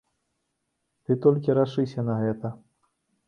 Ты толькі рашыся на гэта!